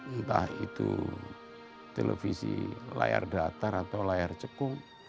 entah itu televisi layar datar atau layar cekung